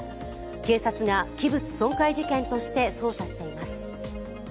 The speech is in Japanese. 警察が器物損壊事件として捜査しています。